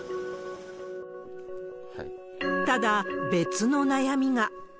ただ、別の悩みが。